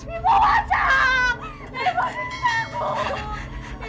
ibu pocong ibu tidakut